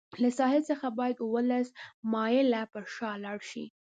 له ساحل څخه باید اوولس مایله پر شا لاړ شي.